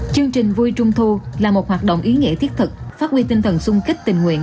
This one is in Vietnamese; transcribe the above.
chương trình vui trung thu là một hoạt động ý nghĩa thiết thực phát huy tinh thần sung kích tình nguyện